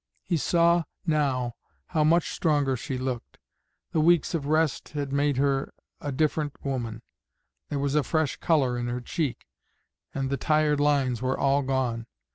He saw now how much stronger she looked. The weeks of rest had made her a different woman; there was a fresh colour in her cheek, and the tired lines were all gone.